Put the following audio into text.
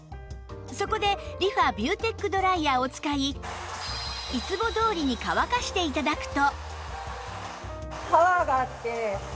そこでリファビューテックドライヤーを使いいつもどおりに乾かして頂くと